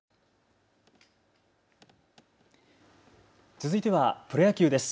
続いてはプロ野球です。